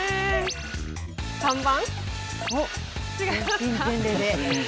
３番。